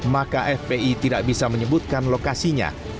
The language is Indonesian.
maka fpi tidak bisa menyebutkan lokasinya